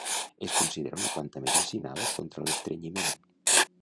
Es considera una planta medicinal contra l'estrenyiment.